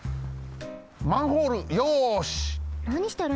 マンホールよし！